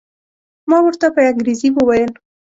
ما ورته په انګریزي وویل.